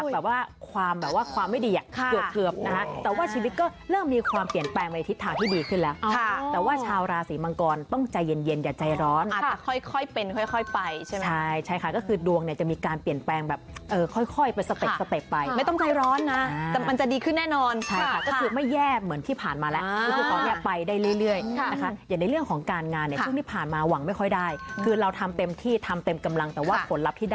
หมอไข่เกินไว้แล้วว่ามี๒ดวงที่ไปทางบวก